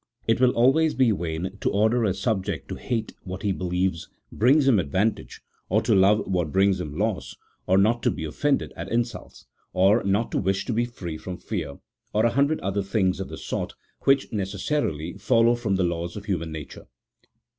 It will always be vain to order a subject to hate what he believes brings him advantage, or to love what brings him loss, or not to be offended at insults, or not to wish to be free from fear, or a hundred other things of the sort, which necessarily follow from the laws of human nature.